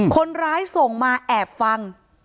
คนร้ายส่งมาแอบฟัง